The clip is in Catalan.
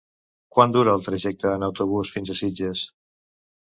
Quant dura el trajecte en autobús fins a Sitges?